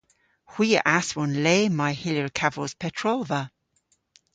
Hwi a aswon le may hyllir kavos petrolva.